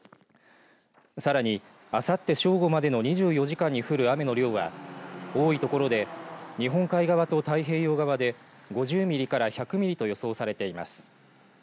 さらに、あさって正午までの２４時間に降る雨の量は多い所で、日本海側と太平洋側で５０ミリから１００ミリと予想されています。